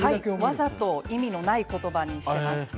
わざと意味のない言葉にしています。